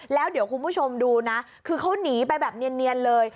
แล้วเดี๋ยวคุณผู้ชมดูนะคือเขาหนีไปแบบเนียนเลย